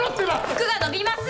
服が伸びます。